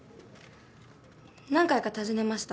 何回か訪ねました。